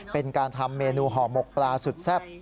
เป็นการทำเมนูห่อหมกปลาสุดแซ่บ